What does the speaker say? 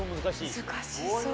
難しそう。